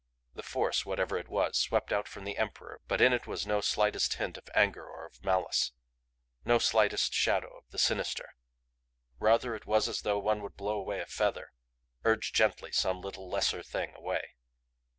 The force, whatever it was, swept out from the Emperor, but in it was no slightest hint of anger or of malice, no slightest shadow of the sinister. Rather it was as though one would blow away a feather; urge gently some little lesser thing away.